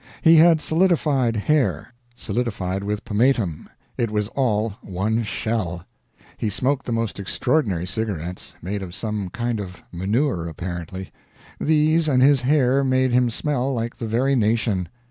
He had solidified hair solidified with pomatum; it was all one shell. He smoked the most extraordinary cigarettes made of some kind of manure, apparently. These and his hair made him smell like the very nation.